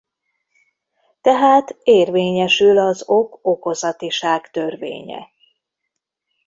Tehát érvényesül az ok-okozatiság törvénye.